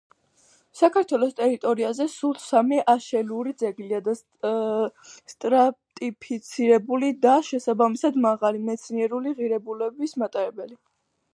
საქართველოს ტერიტორიაზე სულ სამი აშელური ძეგლია სტრატიფიცირებული და, შესაბამისად, მაღალი მეცნიერული ღირებულების მატარებელი.